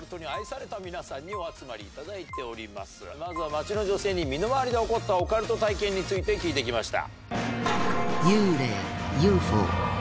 街の女性に身の回りで起こったオカルト体験について聞いてきました。